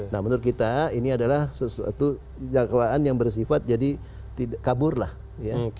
nah menurut kita ini adalah suatu dakwaan yang bersifat jadi kaburlah ya